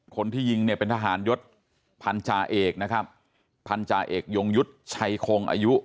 คนที่ยิงเนี่ยเป็นทหารยศพันธาเอกนะครับพันธาเอกยงยุทธ์ชัยคงอายุ